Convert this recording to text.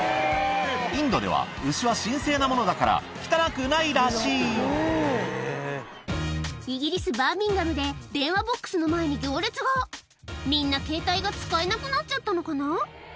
インドでは牛は神聖なものだから汚くないらしいイギリスバーミンガムで電話ボックスの前に行列がみんなケータイが使えなくなっちゃったのかな？